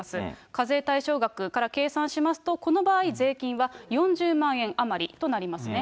課税対象額から計算しますと、この場合、税金は４０万円余りとなりますね。